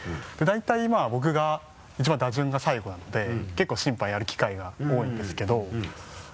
で大体僕が一番打順が最後なので結構審判やる機会が多いんですけど。